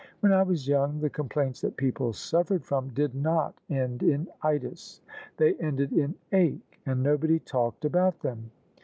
"When I was young, the complaints that people suffered from did not end in itis, they ended in ache: and nobody talked about them."